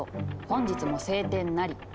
本日も晴天なり。